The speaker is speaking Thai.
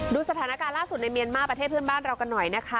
ดูสถานการณ์ล่าสุดในเมียนมาร์ประเทศเพื่อนบ้านเรากันหน่อยนะคะ